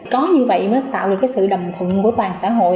có như vậy mới tạo được cái sự đồng thuận của toàn xã hội